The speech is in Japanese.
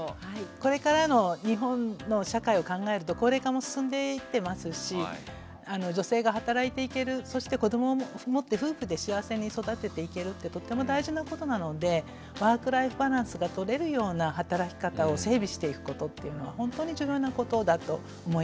これからの日本の社会を考えると高齢化も進んでいってますし女性が働いていけるそして子どもを持って夫婦で幸せに育てていけるってとっても大事なことなのでワークライフバランスがとれるような働き方を整備していくことっていうのはほんとに重要なことだと思います。